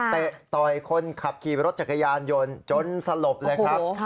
ต่อยคนขับขี่รถจักรยานยนต์จนสลบเลยครับ